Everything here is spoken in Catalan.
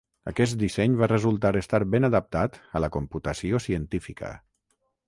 Aquest disseny va resultar estar ben adaptat a la computació científica.